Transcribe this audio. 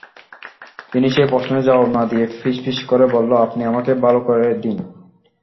তিন্নি সে-প্রশ্নের জবাব না দিয়ে ফিসফিস করে বলল, আপনি আমাকে ভালো করে দিন।